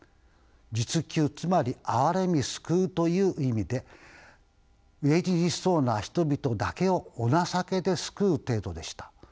恤救つまりあわれみ救うという意味で飢え死しそうな人々だけをお情けで救う程度でした。